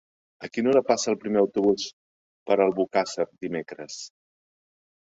A quina hora passa el primer autobús per Albocàsser dimecres?